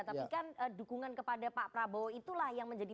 tapi kan dukungan kepada pak prabowo itulah yang menjadi